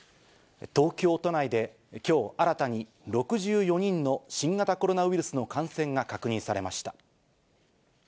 東京都内で、きょう新たに６４人の新型コロナウイルスの感染が確認されました。